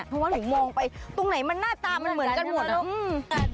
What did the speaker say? เพราะว่าหนูมองไปตรงไหนหน้าตาเหมือนกันหมด